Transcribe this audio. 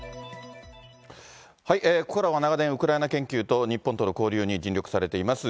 ここからは長年、ウクライナ研究と、日本との交流に尽力されています